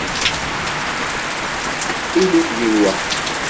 Ilit deg lweqt.